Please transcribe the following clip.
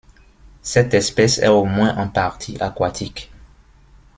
Cette espèce est au moins en partie aquatique.